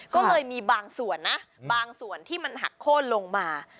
ก็เลยมีบางส่วนนะบางส่วนที่มันหักโค้นลงมา